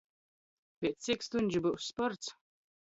Piec cik stuņžu byus sports?